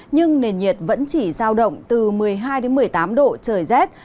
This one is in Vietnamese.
nhưng nền nhiệt vẫn chỉ giao động từ một mươi hai một mươi tám độ trời rét